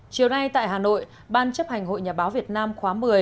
chiều nay tại hà nội ban chấp hành hội nhà báo việt nam khóa một mươi